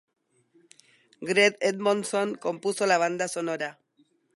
Greg Edmonson compuso la banda sonora.